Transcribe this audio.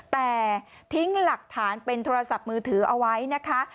แต่ทิ้งหลักฐานเป็นโทรศัพท์มือถือเอาไว้นะคะ